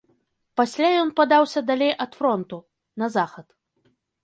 Пасля ён падаўся далей ад фронту, на захад.